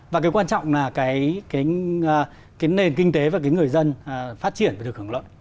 và cái quan trọng là cái nền kinh tế và cái người dân phát triển phải được hưởng lợi